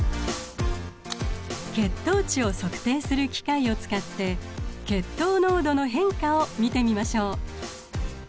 血糖値を測定する機械を使って血糖濃度の変化を見てみましょう。